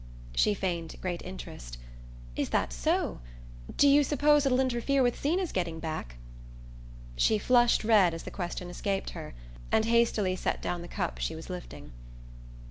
She feigned great interest. "Is that so? Do you suppose it'll interfere with Zeena's getting back?" She flushed red as the question escaped her, and hastily set down the cup she was lifting.